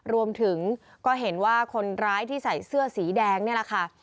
รวมถึงก็เห็นว่าคนร้ายที่ใส่เสื้อสีแดงนี่แหละค่ะ